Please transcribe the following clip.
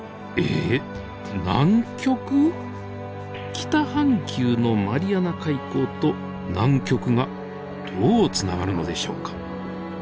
北半球のマリアナ海溝と南極がどうつながるのでしょうか？